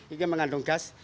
ini mengandung gas